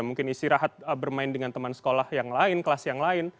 mungkin istirahat bermain dengan teman sekolah yang lain kelas yang lain